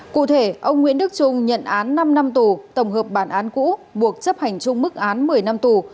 cụ thể ông nguyễn đức trung nhận án năm năm tù tổng hợp bản án cũ buộc chấp hành chung mức án một mươi năm tù